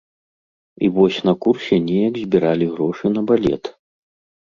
І вось на курсе неяк збіралі грошы на балет.